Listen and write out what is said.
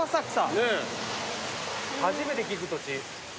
初めて聞く土地。